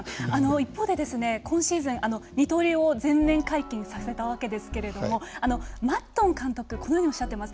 一方で今シーズン二刀流を全面解禁させたわけですけれどもマッドン監督、このようにおっしゃっています。